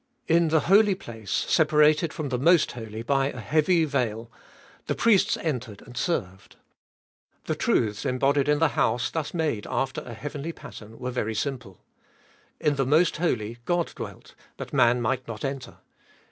In the Holy Place, separated from the Most Holy by a heavy veil, the priests entered and served. The truths embodied in the house thus made after a heavenly pattern were very simple. In the Most Holy God dwelt, but man might not enter.